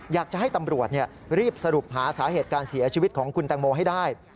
อยากจะให้ตำรวจรีบสรุปหาสาเหตุการเสียชีวิตของคุณแตงโมให้ได้